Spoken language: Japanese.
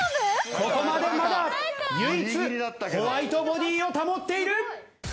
ここまでまだ唯一ホワイトボディを保っている！